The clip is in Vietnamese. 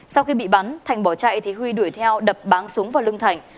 sau khi bị bắn thành bỏ chạy thì huy đuổi theo đập báng súng vào lưng thành